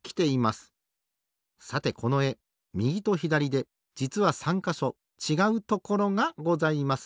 さてこのえみぎとひだりでじつは３かしょちがうところがございます。